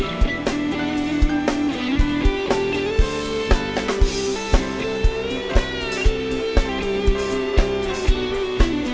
รักของฉันเปลี่ยนไป